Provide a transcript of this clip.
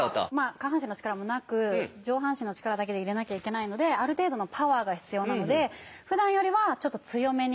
下半身の力もなく上半身の力だけで入れなきゃいけないのである程度のパワーが必要なのでふだんよりはちょっと強めに。